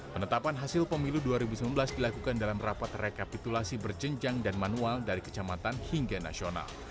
penetapan hasil pemilu dua ribu sembilan belas dilakukan dalam rapat rekapitulasi berjenjang dan manual dari kecamatan hingga nasional